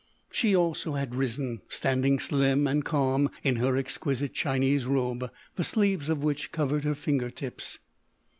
She also had risen, standing slim and calm in her exquisite Chinese robe, the sleeves of which covered her finger tips.